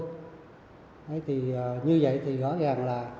thế thì như vậy thì rõ ràng là